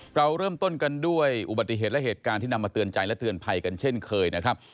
เราเริ่มต้นกันด้วยอุบัติเหตุและเหตุการณ์ที่นำมาเตือนใจและเตือนภัยกันเช่นเคยนะครับ